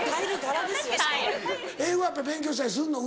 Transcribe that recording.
英語は勉強したりすんの？